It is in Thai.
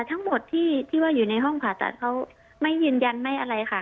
ทั้งหมดที่ว่าอยู่ในห้องผ่าตัดเขาไม่ยืนยันไม่อะไรค่ะ